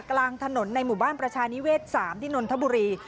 กลางถนนในหมู่บ้านประชานิเวศ๓ที่นนทบุรี